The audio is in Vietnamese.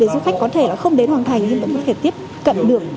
để du khách có thể là không đến hoàng thành nhưng vẫn có thể tiếp cận được